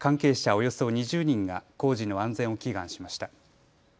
およそ２０人が工事の安全を祈願しました。